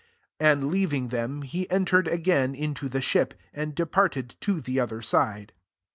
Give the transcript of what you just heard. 13 And leaving them, he enter*' ed again [into the shift] and de^ parted to the other side.